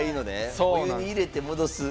お湯に入れて戻す。